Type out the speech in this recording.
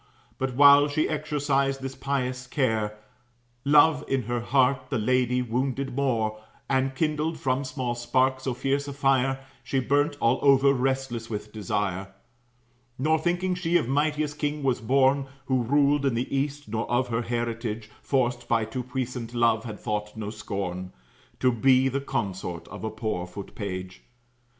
But while she exercised this pious care, Love in her heart the lady wounded more, And kindled from small spark so fierce a fire, She burnt all over, restless with desire; "Nor thinking she of mightiest king was born, Who ruled in the East, nor of her heritage, Forced by too puissant love, had thought no scorn To be the consort of a poor foot page."